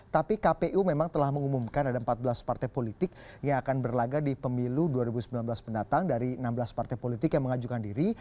tapi kpu memang telah mengumumkan ada empat belas partai politik yang akan berlagak di pemilu dua ribu sembilan belas pendatang dari enam belas partai politik yang mengajukan diri